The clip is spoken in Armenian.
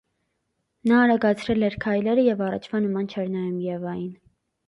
Նա արագացրել էր քայլերը և առաջվա նման չէր նայում Եվային: